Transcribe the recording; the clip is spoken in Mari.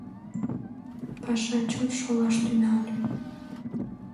Паша чот шолаш тӱҥале.